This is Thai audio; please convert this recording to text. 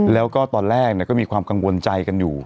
แล้วก็ตอนแรกก็มีความกังวลใจกันอยู่